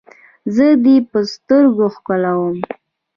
زه دې په سترګو ښکلوم.